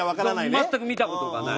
全く見た事がない。